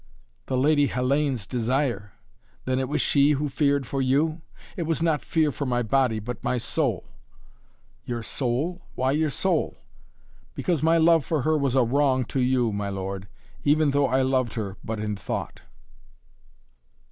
"The Lady Hellayne's desire? Then it was she who feared for you?" "It was not fear for my body, but my soul." "Your soul? Why your soul?" "Because my love for her was a wrong to you, my lord, even though I loved her but in thought."